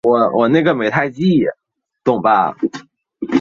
不久罢归。